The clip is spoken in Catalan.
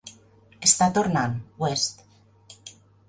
Està tornant, West!